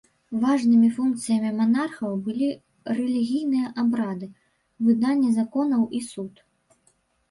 Важнымі функцыямі манархаў былі рэлігійныя абрады, выданне законаў і суд.